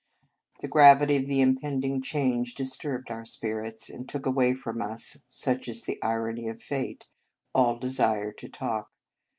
The gravity of the impending change dis turbed our spirits, and took away from us such is the irony of fate all desire to talk.